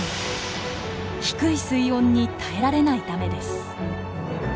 低い水温に耐えられないためです。